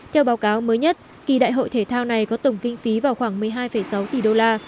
theo báo cáo mới nhất kỳ đại hội thể thao này có tổng kinh phí vào khoảng một mươi hai sáu tỷ đô la